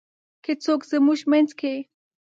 که څوک زمونږ مينځ کې :